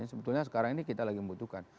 sebetulnya sekarang ini kita lagi membutuhkan